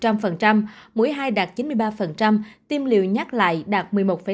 mũi hai đạt chín mươi ba tim liều nhắc lại đạt một mươi một năm